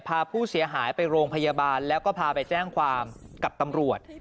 พาผู้เสียหายไปโรงพยาบาลแล้วก็พาไปแจ้งความกับตำรวจ